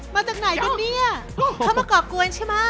มาจากไหนกันเนี่ยเขามากรอกกล้วยใช่มะ